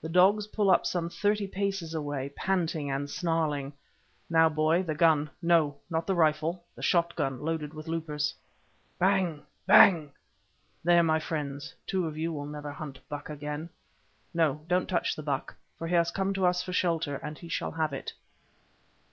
The dogs pull up some thirty paces away, panting and snarling. Now, boy, the gun—no, not the rifle, the shot gun loaded with loopers. Bang! bang! there, my friends, two of you will never hunt buck again. No, don't touch the buck, for he has come to us for shelter, and he shall have it.